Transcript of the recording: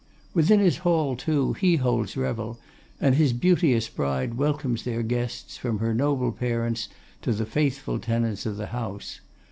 Within his hall, too, he holds his revel, and his beauteous bride welcomes their guests, from her noble parents to the faithful tenants of the house.